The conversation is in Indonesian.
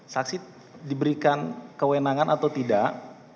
saksi diberikan kewenangan atau tidak